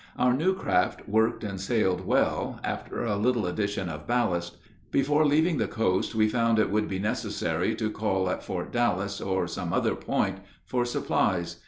Our new craft worked and sailed well, after a little addition of ballast. Before leaving the coast, we found it would be necessary to call at Fort Dallas or some other point for supplies.